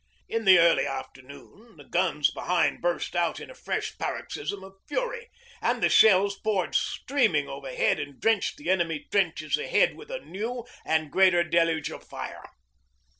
In the early afternoon the guns behind burst out in a fresh paroxysm of fury, and the shells poured streaming overhead and drenched the enemy trenches ahead with a new and greater deluge of fire.